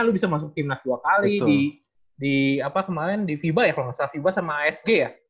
lu bisa masuk tim nas dua kali di di apa kemarin di viva ya kalau nggak salah viva sama asg ya